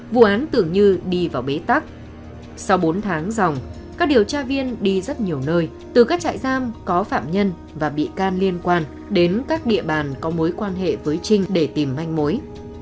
vụ án tưởng như đi vào bế tắc sau bốn tháng dòng các điều tra viên đi rất nhiều nơi từ các trại giam có phạm nhân và bị can liên quan đến các địa bàn có mối quan hệ với trinh để tìm manh mối